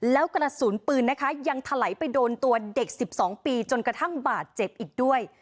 แล้วกระสุนปืนนะคะยังถลายไปโดนตัวเด็ก๑๒ปีจนกระทั่งบาดเจ็บอีกด้วย